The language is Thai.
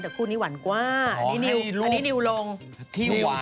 แต่คู่นี้หวานกว้าอันนี้นิวลงอ๋อให้รูปที่หวาน